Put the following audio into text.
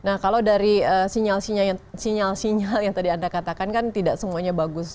nah kalau dari sinyal sinyal sinyal yang tadi anda katakan kan tidak semuanya bagus